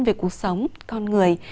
về cuộc sống con người